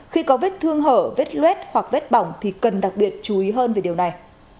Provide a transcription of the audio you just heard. khi có vết thương hở vết luet hoặc vết bỏng thì cần đặc biệt chú ý hơn về điều này